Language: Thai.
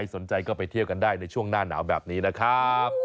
สนใจก็ไปเที่ยวกันได้ในช่วงหน้าหนาวแบบนี้นะครับ